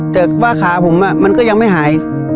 แต่ว่าขาผมมันก็ยังไม่หาย